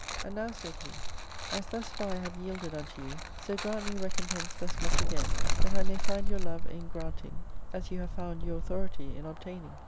And now," said he, "as thus far I have yielded unto you, so grant me recompense thus much again, that I may find your love in granting as you have found your authority in obtaining.